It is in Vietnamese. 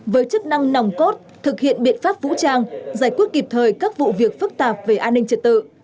với chức năng nòng cốt thực hiện biện pháp vũ trang giải quyết kịp thời các vụ việc phức tạp về an ninh trật tự